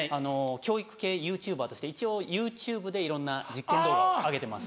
教育系ＹｏｕＴｕｂｅｒとして一応ＹｏｕＴｕｂｅでいろんな実験動画を上げてます。